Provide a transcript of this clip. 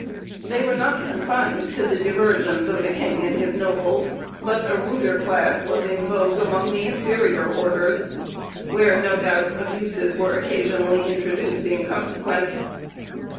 They were not confined to the diversions of the king and his nobles; but a ruder class was in vogue among the inferior orders, where, no doubt, abuses were occasionally introduced in consequence.